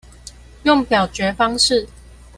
用表決方式